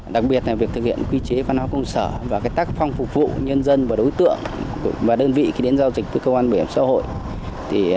đặc biệt là việc thực hiện quy chế văn hóa công sở và tác phong phục vụ nhân dân và đối tượng và đơn vị khi đến giao dịch với cơ quan bảo hiểm xã hội